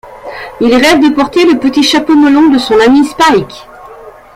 Il rêve de porter le petit chapeau melon de son ami Spike.